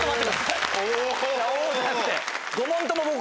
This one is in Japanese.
いや「お」じゃなくて。